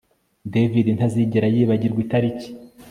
David ntazigera yibagirwa itariki